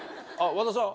和田さん？